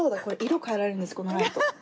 これ色変えられるんですこのライト。